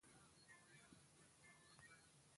زموږ هر خوړ او کلي کې د کاریزو او چینو همداسې بې هوده بیهږي